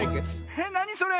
えっなにそれ⁉